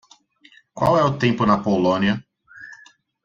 Qual é o tempo na Polónia?